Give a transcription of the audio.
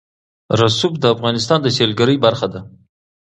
رسوب د افغانستان د سیلګرۍ برخه ده.